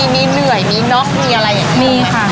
มีเหนื่อยมีน็อกมีอะไรอย่างนี้มีค่ะ